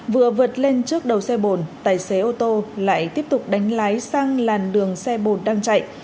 vừa vượt lên trước đầu xe bồn tài xế ô tô lại tiếp tục đánh lái sang làn đường xe bồn đang chạy